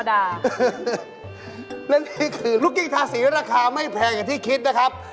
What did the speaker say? และนี่คือลูกกิ้งทาสีราคาไม่แพงอย่างที่คิดนะครับ